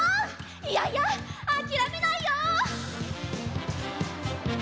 いやいやあきらめないよ！